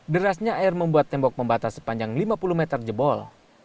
derasnya air membuat tembok pembatas sepanjang lima puluh meter jebol